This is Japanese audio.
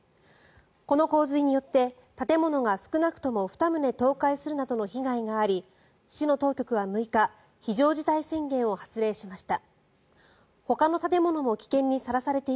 この洪水によって建物が少なくとも２棟倒壊するなどの被害があり市の当局は６日非常事態宣言を発令しました。